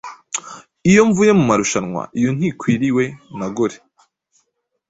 Iyo mvuye mumarushanwaiyo ntwikiriwe na gore